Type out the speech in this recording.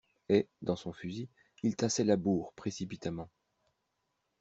Et, dans son fusil, il tassait la bourre, précipitamment.